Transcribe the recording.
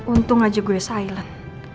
untung aja gue silent